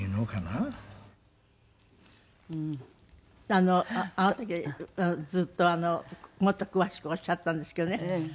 あの時ずっともっと詳しくおっしゃったんですけどね。